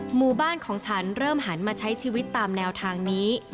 หมู่บ้านของฉันเริ่มหันมาใช้ชีวิตตามแนวทางนี้